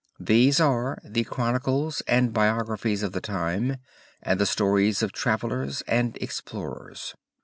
These are the chronicles and biographies of the time and the stories of travelers and explorers.